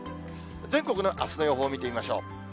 全国のあすの予報を見てみましょう。